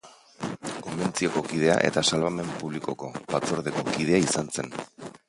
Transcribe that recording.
Konbentzioko kidea eta Salbamen Publikoko Batzordeko kidea izan zen.